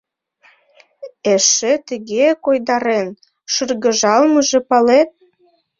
— Эше тыге койдарен шыргыжалмыже, палет!..